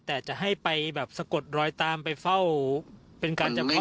แต่จะให้ไปแบบสะกดรอยตามไปเฝ้าเป็นการจำคุก